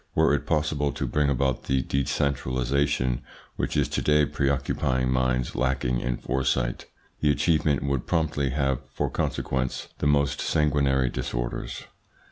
Were it possible to bring about the decentralisation which is to day preoccupying minds lacking in foresight, the achievement would promptly have for consequence the most sanguinary disorders.